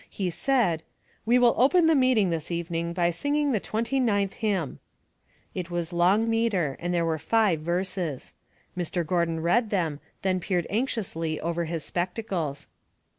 He said, " We will open the meeting this evening by singing the twenty ninth hymn." It was long metre, and there were five verses. Mr. Gordon read them, then peered anxiously over his spectacles.